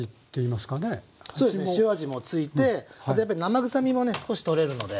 そうですね塩味もついてあとやっぱり生臭みもね少し取れるので。